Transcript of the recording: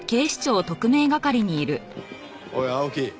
おい青木。